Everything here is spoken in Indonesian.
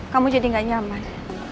kamu jadi gak nyaman